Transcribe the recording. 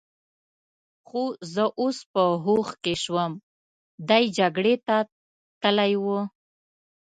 خو زه اوس په هوښ کې شوم، دی جګړې ته تلی و.